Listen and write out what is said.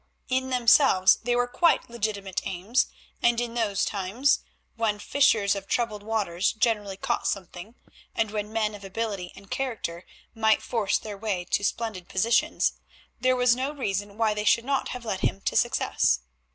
In themselves they were quite legitimate aims, and in those times, when fishers of troubled waters generally caught something, and when men of ability and character might force their way to splendid positions, there was no reason why they should not have led him to success.